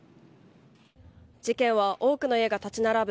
事件は多くの家が立ち並ぶ